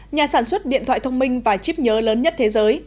nhà sản xuất điện thoại thông minh và chip nhớ lớn nhất thế giới